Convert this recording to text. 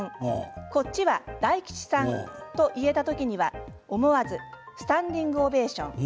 こっちが大吉さん！と言えた時には思わずスタンディングオベーション。